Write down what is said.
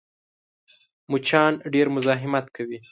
مچان ډېر مزاحمت کوي